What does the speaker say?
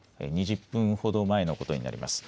２０分ほど前のことになります。